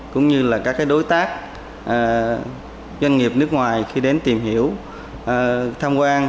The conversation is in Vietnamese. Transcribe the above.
cũng như là các đối tác doanh nghiệp nước ngoài khi đến tìm hiểu tham quan